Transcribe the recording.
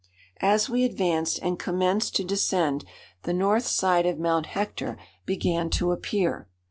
As we advanced and commenced to descend, the north side of Mount Hector began to appear.